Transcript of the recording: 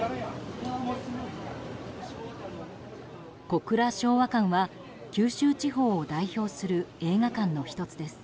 小倉昭和館は九州地方を代表する映画館の１つです。